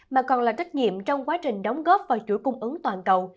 mà còn là trách nhiệm trong quá trình đóng góp vào chuỗi cung ứng toàn cầu